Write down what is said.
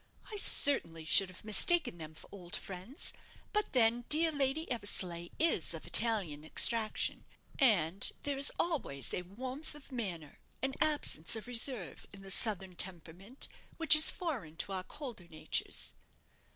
"I certainly should have mistaken them for old friends; but then dear Lady Eversleigh is of Italian extraction, and there is always a warmth of manner, an absence of reserve, in the southern temperament which is foreign to our colder natures."